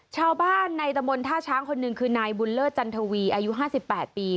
ชาวบ้านในตะมนต์ท่าช้างคนหนึ่งคือนายบุญเลิศจันทวีอายุ๕๘ปี